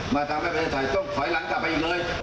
มาทำให้ประเทศก็ต้องถอยหลังต่อไปอีกเลย